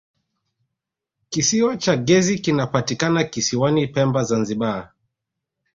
kisiwa cha ngezi kinapatikana kisiwani pemba zanzibar